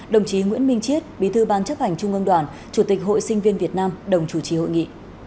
đồng chí nguyễn minh chiết bí thư ban chấp hành trung ương đoàn chủ tịch hội sinh viên việt nam đồng chủ trì hội nghị